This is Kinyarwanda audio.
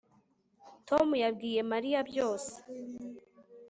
Tom yabwiye Mariya byose